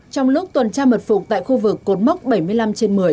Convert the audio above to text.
trong lúc tuần tra mật phục tại khu vực cột mốc bảy mươi năm trên một mươi